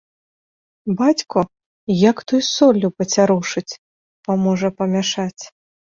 Бацьку, як той соллю пацярушыць, паможа памяшаць.